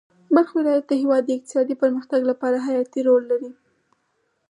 بلخ ولایت د هېواد د اقتصادي پرمختګ لپاره حیاتي رول لري.